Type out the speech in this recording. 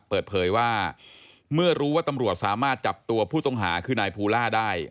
เปิดเผยว่าเมื่อรู้ว่าตำรวจสามารถจับตัวผู้ต้องหาคือนายภูล่าได้